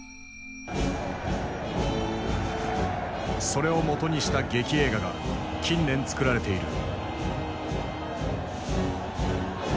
それをもとにした劇映画が近年作られている。